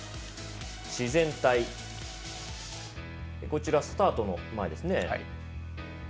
自然体こちらスタートの前ですね。